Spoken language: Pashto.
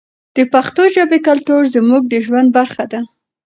د پښتو ژبې کلتور زموږ د ژوند برخه ده.